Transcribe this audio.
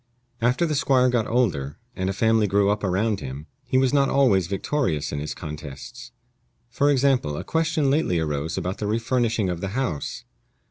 After the squire got older, and a family grew up around him, he was not always victorious in his contests. For example, a question lately arose about the refurnishing of the house.